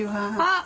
あっ！